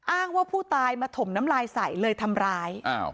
อ้างว่าผู้ตายมาถมน้ำลายใส่เลยทำร้าย